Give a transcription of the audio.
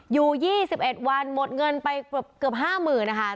อยู่๒๑วันหมดเงินไปเกือบ๕๐๐๐นะคะ